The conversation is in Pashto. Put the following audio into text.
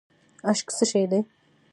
اشک څه شی دی؟